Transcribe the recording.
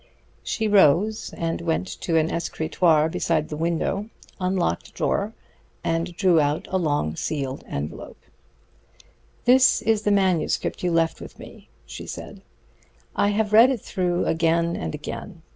She rose and went to an escritoire beside the window, unlocked a drawer, and drew out a long, sealed envelop. "This is the manuscript you left with me," she said. "I have read it through again and again.